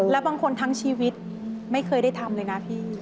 แล้วบางคนทั้งชีวิตไม่เคยได้ทำเลยนะพี่